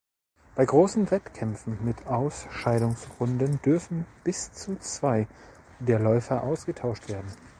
Bei großen Wettkämpfen mit Ausscheidungsrunden dürfen bis zu zwei der Läufer ausgetauscht werden.